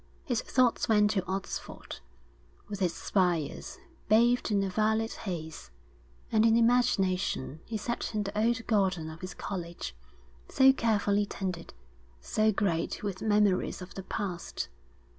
His thoughts went to Oxford, with its spires, bathed in a violet haze, and in imagination he sat in the old garden of his college, so carefully tended, so great with memories of the past.